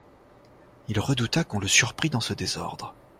Il redouta qu'on le surprit dans ce désordre.